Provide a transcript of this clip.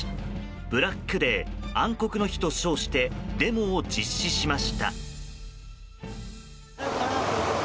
ブラックデー・暗黒の日と称してデモを実施しました。